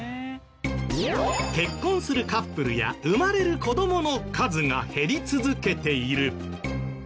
結婚するカップルや生まれる子供の数が減り続けている。